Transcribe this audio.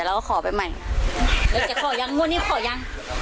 วันนี้ขอยัง